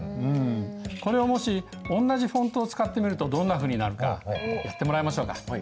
これをもしおんなじフォントを使ってみるとどんなふうになるかやってもらいましょうか。